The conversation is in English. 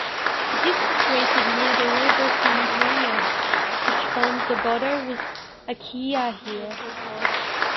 It is situated near the river Pineios, which forms the border with Achaea here.